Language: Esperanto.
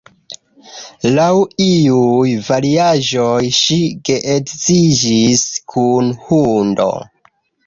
Laŭ iuj variaĵoj, ŝi geedziĝis kun hundo.